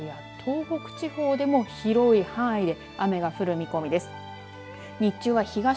また、朝には関東や東北地方でも広い範囲で雨が降る見込みです。